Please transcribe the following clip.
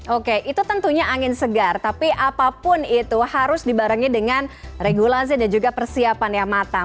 oke itu tentunya angin segar tapi apapun itu harus dibarengi dengan regulasi dan juga persiapan yang matang